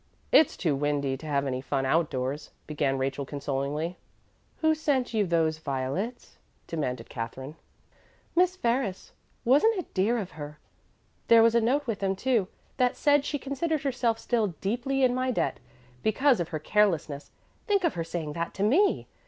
"It's too windy to have any fun outdoors," began Rachel consolingly. "Who sent you those violets?" demanded Katherine. "Miss Ferris. Wasn't it dear of her? There was a note with them, too, that said she considered herself still 'deeply in my debt,' because of her carelessness think of her saying that to me!